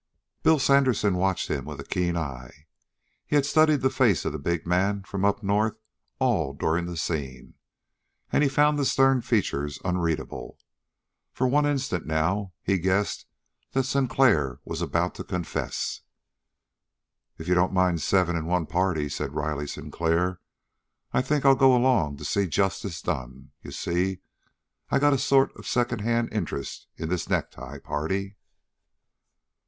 Bill Sandersen watched him with a keen eye. He had studied the face of the big man from up north all during the scene, and he found the stern features unreadable. For one instant now he guessed that Sinclair was about to confess. "If you don't mind seven in one party," said Riley Sinclair, "I think I'll go along to see justice done. You see, I got a sort of secondhand interest in this necktie party."